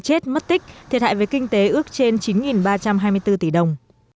chết mất tích thiệt hại về kinh tế ước trên chín ba trăm hai mươi bốn tỷ đồng